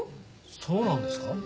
そうなんですか？